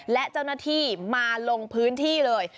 และเจ้าหน้าที่มาลงพื้นที่เลย